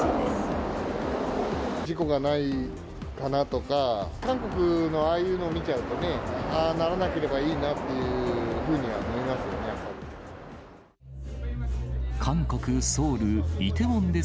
事故がないかなとか、韓国のああいうのを見ちゃうとね、ああならなければいいなっていうふうには思いますよね、やはり。